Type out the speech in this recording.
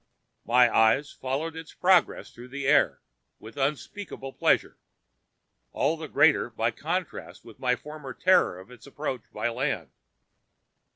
My eyes followed its progress through the air with unspeakable pleasure, all the greater by contrast with my former terror of its approach by land.